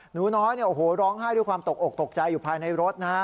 หนูน้อยร้องไห้ด้วยความตกอกตกใจอยู่ภายในรถนะฮะ